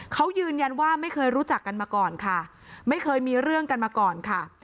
เขายืนยันว่าไม่เคยรู้จักกันมาก่อนค่ะไม่เคยมีเรื่องกันมาก่อนค่ะ